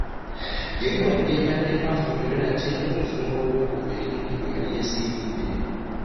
Yali wa ddembe addemu afumbirwe nate mu bufumbo obutukuvu eri munne gwe yeesiimidde.